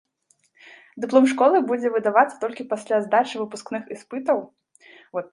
Дыплом школы будзе выдавацца толькі пасля здачы выпускных іспытаў.